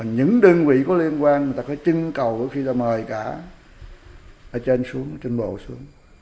những đơn vị có liên quan người ta phải trưng cầu khi ta mời cả ở trên xuống trên bộ xuống